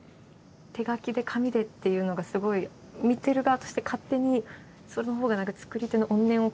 手描きで紙でっていうのがすごい見てる側として勝手にそのほうが作り手の怨念を感じるというか。